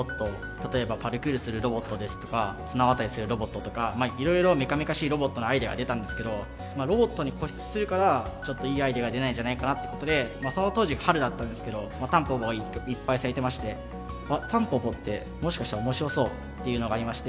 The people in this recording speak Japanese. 例えばパルクールするロボットですとか綱渡りするロボットとかいろいろメカメカしいロボットのアイデアが出たんですけどロボットに固執するからちょっといいアイデアが出ないんじゃないかなってことでその当時春だったんですけどたんぽぽいっぱい咲いてましてたんぽぽってもしかしたら面白そうっていうのがありまして